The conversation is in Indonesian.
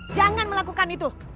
jangan melakukan itu